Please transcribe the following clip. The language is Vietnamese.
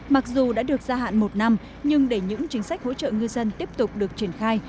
mặc dù đã được gia hạn một năm nhưng để những chính sách hỗ trợ ngư dân tiếp tục được triển khai